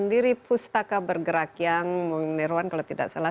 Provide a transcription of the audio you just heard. sendiri pustaka bergerak yang bung nirwan kalau tidak salah